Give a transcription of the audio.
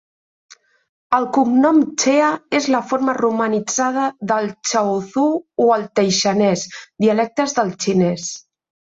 El cognom "Chea" és la forma romanitzada del chaozhou o el taixanès, dialectes del xinès.